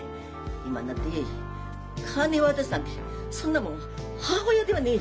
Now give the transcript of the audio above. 今になって金渡すなんてそんなもん母親ではねえ！